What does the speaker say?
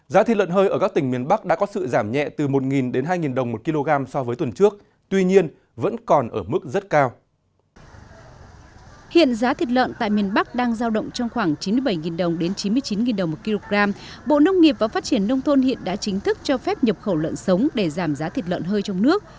giá thi lợn hơi ở các tỉnh miền bắc đã có sự giảm nhẹ từ một đến hai đồng một kg so với tuần trước